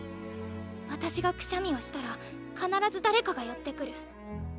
私がくしゃみをしたら必ず誰かが寄ってくる。